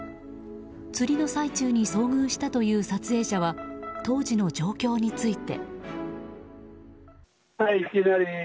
釣りの最中に遭遇したという撮影者は、当時の状況について。